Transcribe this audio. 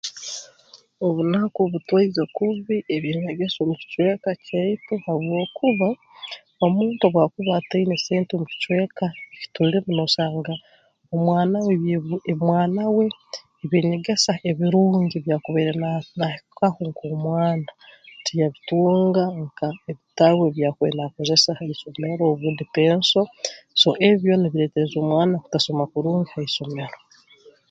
Obunaku butwaize kubi eby'enyegesa omu kicweka kyaitu habwokuba omuntu obu akuba ataine sente omu kicweka ki tulimu noosanga omwana we ebye omwana we eby'enyegesa ebirungi ebi yaakubaire naahi naahikaho nk'omwana tiyabitunga nka ebitabu ebi yaakubaire naakozesa ha isomero obundi penso so ebi byona nibireetereza omwana kutasoma kurungi ha isomero